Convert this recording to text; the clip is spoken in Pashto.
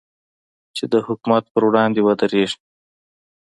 چې د حکومت پر وړاندې ودرېږي.